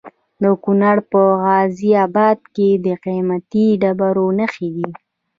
د کونړ په غازي اباد کې د قیمتي ډبرو نښې دي.